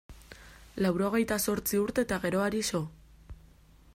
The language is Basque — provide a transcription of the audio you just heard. Laurogehita zortzi urte eta geroari so.